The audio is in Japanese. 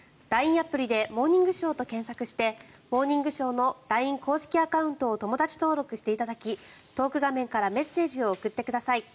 アプリで「モーニングショー」と検索をして「モーニングショー」のＬＩＮＥ公式アカウントを友だち登録していただきトーク画面からメッセージを送ってください。